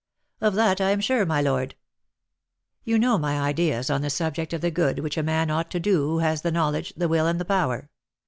"Of that I am sure, my lord." "You know my ideas on the subject of the good which a man ought to do who has the knowledge, the will, and the power.